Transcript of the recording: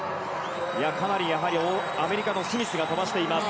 かなりアメリカのスミスが飛ばしています。